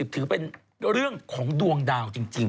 ถือเป็นเรื่องของดวงดาวจริง